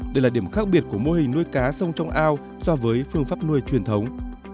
đây là điểm khác biệt của mô hình nuôi cá sông trong ao so với phương pháp nuôi truyền thống